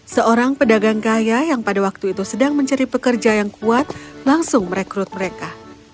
seorang pedagang kaya yang pada waktu itu sedang mencari pekerja yang kuat langsung merekrut mereka